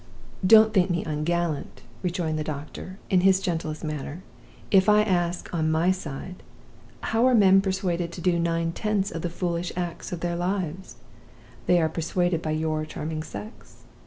"'Don't think me ungallant,' rejoined the doctor in his gentlest manner, 'if I ask, on my side, how are men persuaded to do nine tenths of the foolish acts of their lives? They are persuaded by your charming sex.